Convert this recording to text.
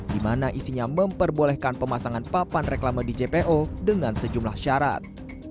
di mana isinya memperbolehkan pemasangan papan reklama di jpo dengan sejumlah syarat